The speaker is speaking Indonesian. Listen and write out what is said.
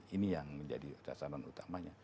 ini yang menjadi dasaran utamanya